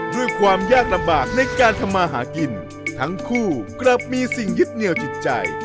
ด้วยความยากลำบากในการทำมาหากินทั้งคู่กลับมีสิ่งยึดเหนียวจิตใจ